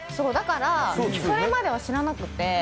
だから、それまでは知らなくて。